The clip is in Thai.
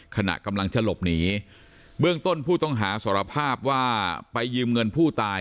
ขณะกำลังจะหลบหนีเบื้องต้นผู้ต้องหาสารภาพว่าไปยืมเงินผู้ตาย